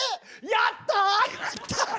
やった！